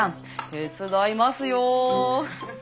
手伝いますよ。